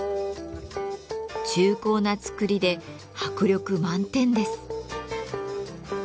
重厚な造りで迫力満点です。